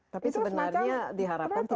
tapi sebenarnya diharapkan tidak datang dong